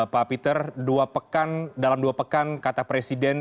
pak peter dalam dua pekan kata presiden